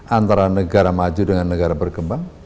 antara negara maju dengan negara berkembang